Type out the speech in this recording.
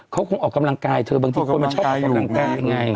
เขาคงออกกำลังกายเธอบางทีคนมันชอบออกกำลังกายไง